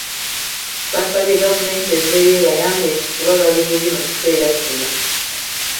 Basabye gavumenti eveeyo ebayambe nti kuba bali bubi mu kiseera kino.